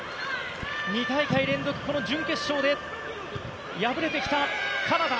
２大会連続準決勝で敗れてきたカナダ。